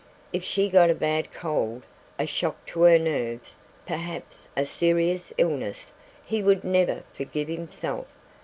If she got a bad cold, a shock to her nerves, perhaps a serious illness, he would never forgive himself.